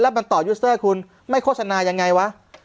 มันต่อยูสเตอร์คุณไม่โฆษณายังไงวะ